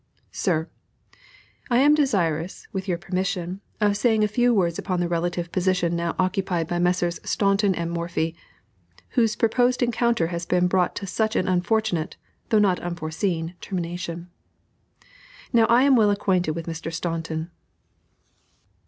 SIR, I am desirous, with your permission, of saying a few words upon the relative position now occupied by Messrs. Staunton and Morphy, whose proposed encounter has been brought to such an unfortunate, though not unforeseen, termination. Now I am well acquainted with Mr. Staunton.